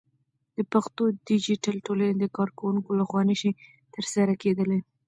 د پښتو ديجيتل ټولنې د کارکوونکو لخوا نشي ترسره کېدلى